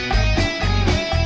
kenapa tidak bisa